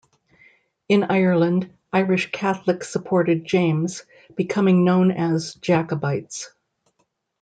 In Ireland, Irish Catholics supported James - becoming known as Jacobites.